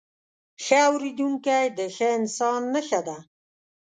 ښه اورېدونکی، د ښه انسان نښه ده.